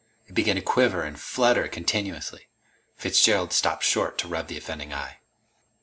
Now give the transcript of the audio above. It began to quiver and flutter continuously. Fitzgerald stopped short to rub the offending eye.